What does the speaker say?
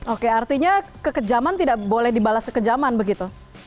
oke artinya kekejaman tidak boleh dibalas kekejaman begitu